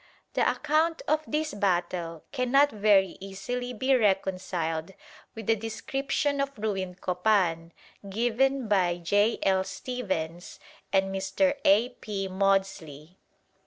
The account of this battle cannot very easily be reconciled with the description of ruined Copan given by J. L. Stephens and Mr. A. P. Maudslay.